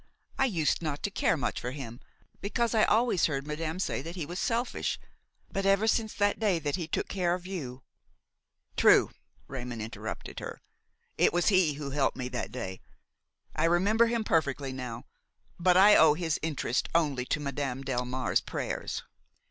I used not to care much for him, because I always heard madame say that he was selfish; but ever since the day that he took care of you–" "True," Raymon interrupted her, "it was he who helped me that day; I remember him perfectly now. But I owe his interest only to Madame Delmare's prayers."